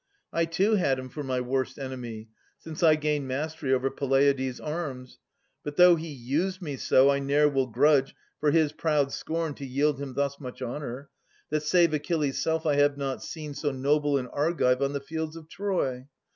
I, too, had him for my worst enemy. Since I gained mastery o'er Peleides' arms. But though he used me so, I ne'er will grudge For his proud scorn to yield him thus much honour, That, save Achilles' self, I have not seen So noble an Argive on the fields of Troy.